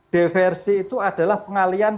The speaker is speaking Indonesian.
diversi itu adalah pengalian penyelesaian anak